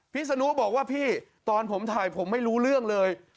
ศนุบอกว่าพี่ตอนผมถ่ายผมไม่รู้เรื่องเลย